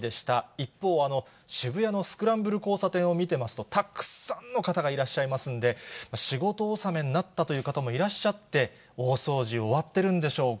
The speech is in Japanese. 一方、渋谷のスクランブル交差点を見てみますと、たくさんの方がいらっしゃいますんで、仕事納めになったという方もいらっしゃって、大掃除、終わってるんでしょうか。